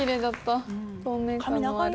透明感もある。